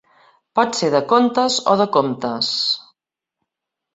Pot ser de contes o de comptes.